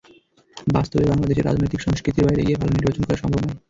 বাস্তবে বাংলাদেশে রাজনৈতিক সংস্কৃতির বাইরে গিয়ে ভালো নির্বাচন করা সম্ভব নয়।